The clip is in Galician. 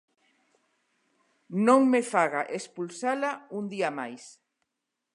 Non me faga expulsala un día máis.